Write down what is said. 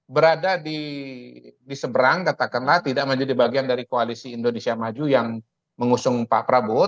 berada di seberang katakanlah tidak menjadi bagian dari koalisi indonesia maju yang mengusung pak prabowo